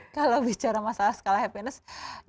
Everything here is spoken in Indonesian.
kalau bicara masalah skala happiness